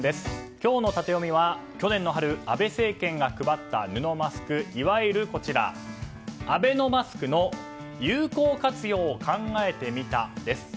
今日のタテヨミは去年の春、安倍政権が配った布マスク、いわゆるアベノマスクの有効活用を考えてみたです。